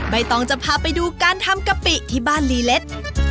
ตองจะพาไปดูการทำกะปิที่บ้านลีเล็ด